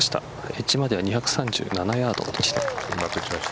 エッジまでは２３７ヤードでした。